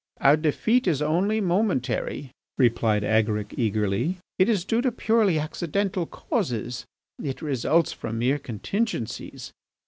"Our defeat is only momentary," replied Agaric eagerly. "It is due to purely accidental causes; it results from mere contingencies.